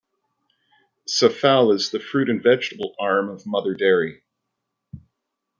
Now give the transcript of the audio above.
Safal is the fruit and vegetable arm of Mother Dairy.